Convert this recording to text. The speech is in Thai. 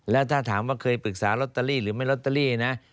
แล้วถ้าถามว่าเคยปรึกษาลอตเตอรี่หรือไม่ลอตเตอรี่นะ